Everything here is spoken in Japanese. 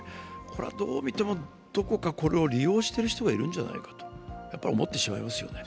これはどう見ても、どこかこれを利用している人がいるんじゃないかと思ってしまいますよね。